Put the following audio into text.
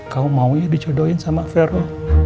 kau mau dicodohin sama vero